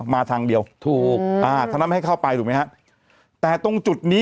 มาทางเดียวถูกอ่าทางนั้นไม่ให้เข้าไปถูกไหมฮะแต่ตรงจุดนี้